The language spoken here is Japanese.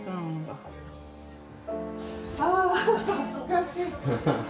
ああ懐かしい。